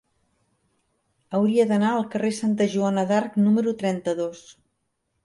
Hauria d'anar al carrer de Santa Joana d'Arc número trenta-dos.